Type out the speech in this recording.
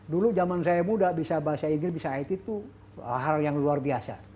dulu zaman saya muda bisa bahasa inggris bisa it itu hal yang luar biasa